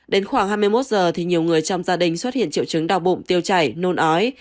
đến khoảng hai mươi một giờ thì nhiều người trong gia đình xuất hiện triệu chứng đau bụng tiêu chảy nôn ói